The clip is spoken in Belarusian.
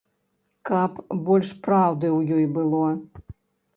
Каб больш праўды ў ёй было.